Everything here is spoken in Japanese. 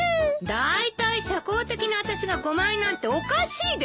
だいたい社交的なあたしが５枚なんておかしいでしょ？